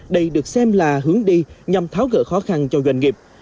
đây được xem là hướng đi nhằm tháo gỡ khó khăn cho doanh nghiệp